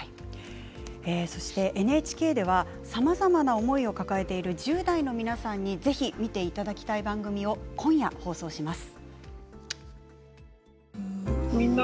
ＮＨＫではさまざまな思いを抱えている１０代の皆さんにぜひ見ていただきたい番組を今夜、放送します。